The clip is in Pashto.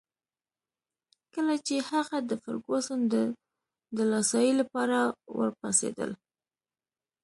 کله چي هغه د فرګوسن د دلاسايي لپاره ورپاڅېدل.